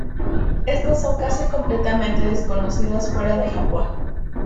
Estas son casi completamente desconocidas fuera de Japón.